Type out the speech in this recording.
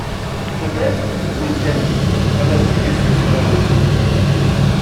Peut-être, dit Étienne, ramasse-t-il des sous sur la route.